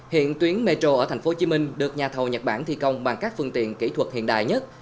hiện tuyến metro ở thành phố hồ chí minh được nhà thờ nhật bản thi công bằng các phương tiện kỹ thuật hiện đại nhất